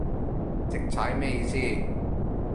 直踩咩意思